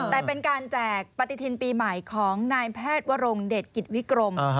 แต่เป็นการแจกปฏิทินปีใหม่ของนายแพทย์วรงเดชกิจวิกรม